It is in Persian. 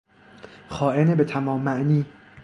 خائن به تمام معنی